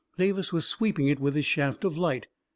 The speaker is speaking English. " Davis was sweeping it with his shaft of light.